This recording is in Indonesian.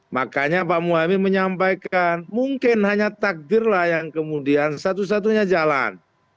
makanya pak mohaimin menyampaikan mungkin hanya takdir lah yang kemudian satu satunya jalan